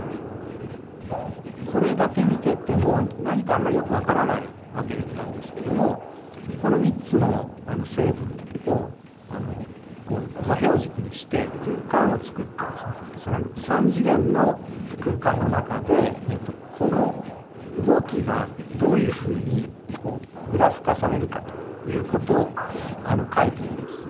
これだけ見てても何かあんまりよく分からないわけなんですけどもこの３つの成分を座標軸にして空間を作ってですね三次元の空間の中でこの動きがどういうふうにグラフ化されるかということを書いてみます。